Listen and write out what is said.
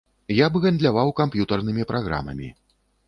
Я б гандляваў камп'ютарнымі праграмамі.